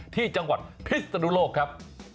ที่จังหวัดพิศนุโลกครับ